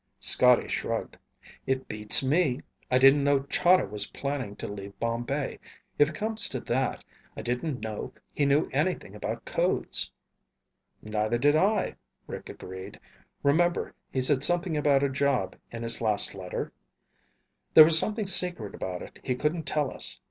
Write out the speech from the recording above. Scotty shrugged. "It beats me. I didn't know Chahda was planning to leave Bombay. If it comes to that, I didn't know he knew anything about codes." "Neither did I," Rick agreed. "Remember he said something about a job in his last letter? There was something secret about it he couldn't tell us.